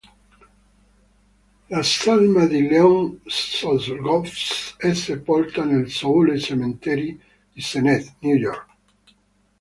La salma di Leon Czolgosz è sepolta nel Soule Cemetery di Sennett, New York.